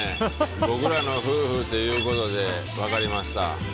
僕らの夫婦ということで分かりました。